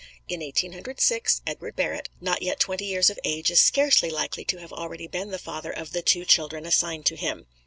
In Eighteen Hundred Six, Edward Barrett, not yet twenty years of age, is scarcely likely to have already been the father of the two children assigned to him."